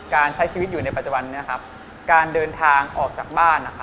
การใช้ชีวิตอยู่ในปัจจุบันนี้ครับการเดินทางออกจากบ้าน